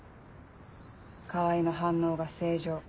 川合の反応が正常。